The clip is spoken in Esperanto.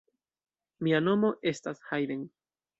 Mia nomo estas Hajden.